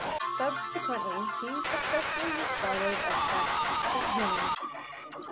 Subsequently he successfully used thyroid extract to treat humans.